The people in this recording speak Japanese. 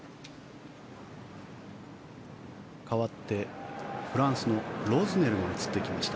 かわってフランスのロズネルが映ってきました。